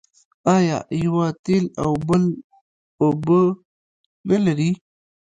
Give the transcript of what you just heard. آیا یوه تېل او بل اوبه نلري؟